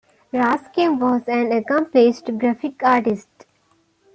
Raskin was an accomplished graphic artist.